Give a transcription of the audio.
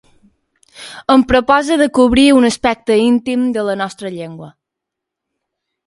Em propose de cobrir un aspecte íntim de la nostra llengua.